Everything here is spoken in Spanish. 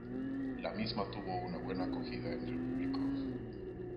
La misma tuvo una buena acogida entre el público.